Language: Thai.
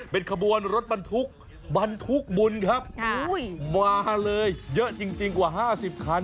เป็นขบวนรถบรรทุกบรรทุกบุญครับมาเลยเยอะจริงกว่า๕๐คัน